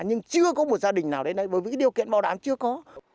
nhưng chưa có một gia đình nào đến đây bởi vì điều kiện bảo đảm chưa có